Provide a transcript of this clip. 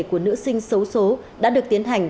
của nữ sinh xấu xố đã được tiến hành